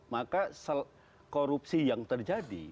maka korupsi yang terjadi